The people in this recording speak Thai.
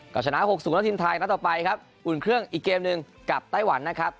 ก็ชนะ๖๐แล้วทีมไทยนัดต่อไปครับอุ่นเครื่องอีกเกมหนึ่งกับไต้หวันนะครับ